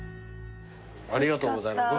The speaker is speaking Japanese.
ありがとうございます。